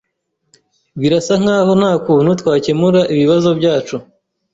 Birasa nkaho nta kuntu twakemura ibibazo byacu.